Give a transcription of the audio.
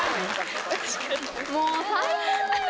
もう最高だよ！